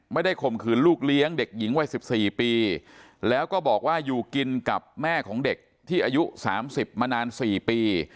ไม่ได้ข่มขืนลูกเลี้ยงเด็กหญิงไว้สิบสี่ปีแล้วก็บอกว่าอยู่กินกับแม่ของเด็กที่อายุสามสิบมานานสี่ปี